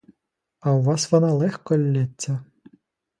А у вас вона легко ллється!